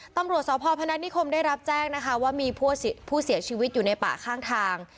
ตำรวจสพพนัทนิคมได้รับแจ้งนะคะว่ามีผู้เสียชีวิตอยู่ในป่าข้างทาง